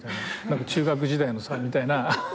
中学時代のさ」みたいな。